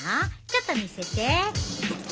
ちょっと見せて。